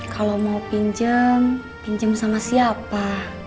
kalau mau pinjem pinjem sama siapa